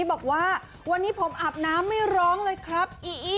บอกว่าวันนี้ผมอาบน้ำไม่ร้องเลยครับ